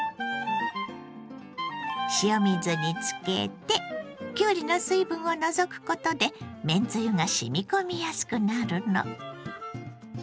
塩水につけてきゅうりの水分を除くことでめんつゆがしみ込みやすくなるの。